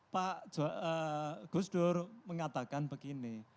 pak gus dur mengatakan begini